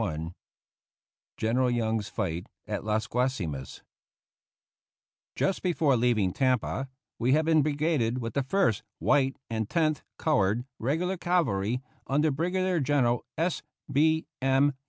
III GENERAL YOUNG'S FIGHT AT LAS GUASIMAS Just before leaving Tampa we had been brigaded with the First (white) and Tenth (colored) Regular Cavalry under Brigadier General S. B. M.